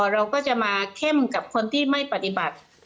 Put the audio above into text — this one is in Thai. เราก็จะมาเข้มกับคนที่ไม่ปฏิบัติ